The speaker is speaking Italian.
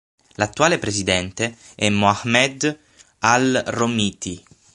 L'attuale presidente è Mohammed Al-Romithi.